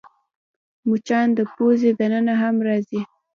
مچان د پوزې دننه هم راځي